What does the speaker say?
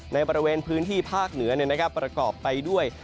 ในบริเวณพื้นที่ภาคเหนือประกอบไปด้วย